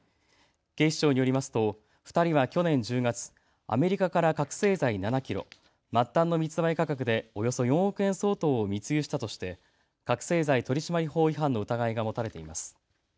警視庁によりますと２人は去年１０月、アメリカから覚醒剤７キロ、末端の密売価格でおよそ４億円相当を密輸したとして覚醒剤取締法違反の疑いが持たれています。